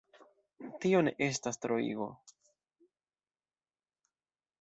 Tio ne estas troigo.